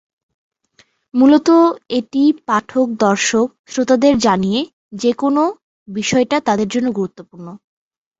মূলত এটি পাঠক-দর্শক-শ্রোতাদের জানিয়ে যে কোন বিষয়টা তাদের জন্য গুরুত্বপূর্ণ।